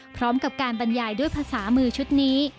พร้อมกับการบรรยายด้วยภาษามือชุดนี้